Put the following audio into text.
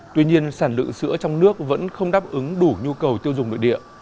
tuy nhiên sản lượng sữa trong nước vẫn không đáp ứng đủ nhu cầu tiêu dùng nội địa